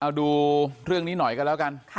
เอาดูเรื่องนี้หน่อยกันแล้วกัน